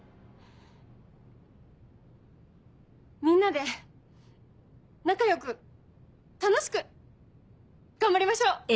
みんなで仲良く楽しく頑張りましょう！